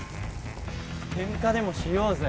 ケンカでもしようぜ。